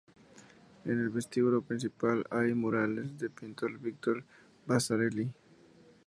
En el vestíbulo principal hay murales del pintor Victor Vasarely.